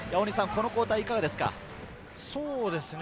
この交代、いかがですか？